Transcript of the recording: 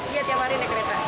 iya tiap hari naik kereta